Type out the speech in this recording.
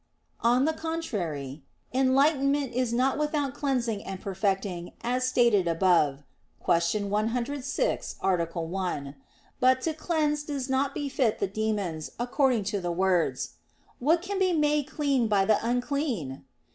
On the contrary, Enlightenment is not without cleansing and perfecting, as stated above (Q. 106, A. 1). But to cleanse does not befit the demons, according to the words: "What can be made clean by the unclean?"